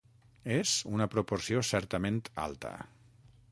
És una proporció certament alta.